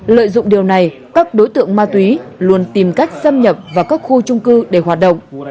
lợi dụng điều này các đối tượng ma túy luôn tìm cách xâm nhập vào các khu trung cư để hoạt động